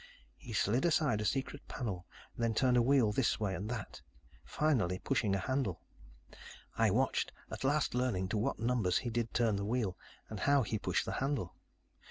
"He slid aside a secret panel, then turned a wheel this way and that, finally pushing a handle. I watched, at last learning to what numbers he did turn the wheel, and how he pushed the handle.